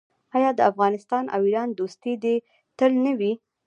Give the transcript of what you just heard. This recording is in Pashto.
آیا د افغانستان او ایران دوستي دې تل نه وي؟